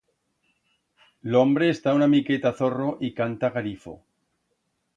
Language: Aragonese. L'hombre está una miqueta zorro y canta garifo.